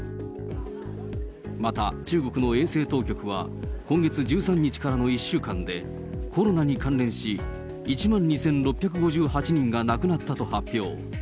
また中国の衛生当局は、今月１３日からの１週間で、コロナに関連し１万２６５８人が亡くなったと発表。